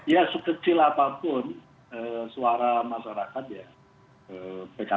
ya sekecil apapun suara masyarakat ya